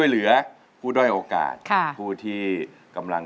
ร้องได้ให้ร้าง